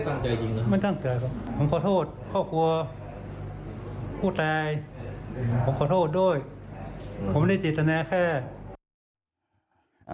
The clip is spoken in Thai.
ผมไม่ได้จิตนาแค่